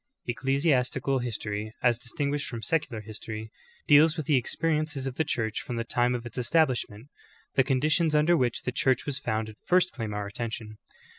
Ecclesi astical history, as distinguished from secular history, deals with the experiences of the Church from the time of its establishment. The conditions under which the Church was founded first claim our attention.